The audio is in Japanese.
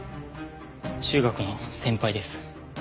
中学の先輩です。